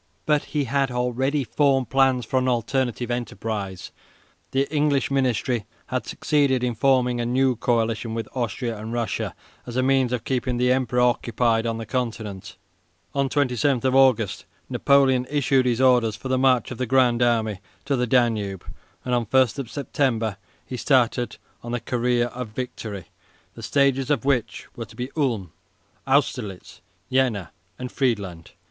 But he had already formed plans for an alternative enterprise. The English ministry had succeeded in forming a new coalition with Austria and Russia as a means of keeping the Emperor occupied on the Continent. On 27 August Napoleon issued his orders for the march of the Grand Army to the Danube, and on 1 September he started on the career of victory, the stages of which were to be Ulm, Austerlitz, Jena, and Friedland.